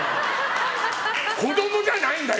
子供じゃないんだよ！